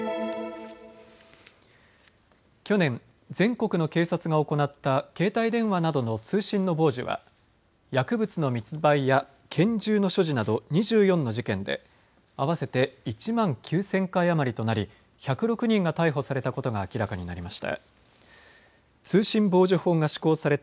去年、全国の警察が行った携帯電話などの通信の傍受は薬物の密売や拳銃の所持など２４の事件で合わせて１万９０００回余りとなり１０６人が逮捕されたことが明らかになりました。